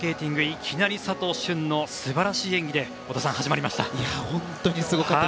いきなり佐藤駿の素晴らしい演技で織田さん、始まりました。